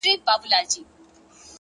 پرمختګ د هڅو تسلسل غواړي